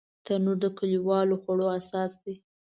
تنور د کلیوالو خوړو اساس دی